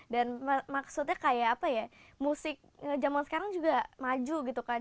dan maksudnya kayak apa ya musik zaman sekarang juga maju gitu kan